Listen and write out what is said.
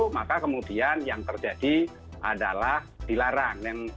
maka kemudian yang terjadi adalah dilarang